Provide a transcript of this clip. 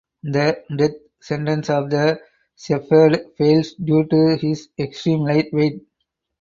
The death sentence of the Shepherd fails due to his extreme light weight.